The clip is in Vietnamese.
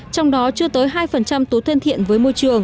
trong đó chưa tới hai túi thêm